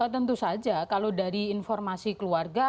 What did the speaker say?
tentu saja kalau dari informasi keluarga